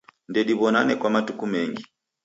Ndediw'onane kwa matuku mengi.